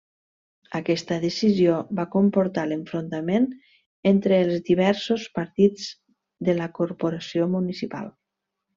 Aquesta decisió va comportar l'enfrontament entre els diversos partits de la corporació municipal.